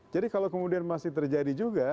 jadi kalau kemudian masih terjadi juga